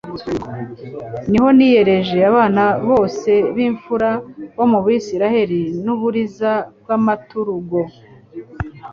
ni ho niyereje abana bose b'imfura bo mu Bisiraeli n'uburiza bw'amaturugo: